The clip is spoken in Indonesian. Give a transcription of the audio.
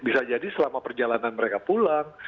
bisa jadi selama perjalanan mereka pulang